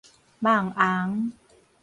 網紅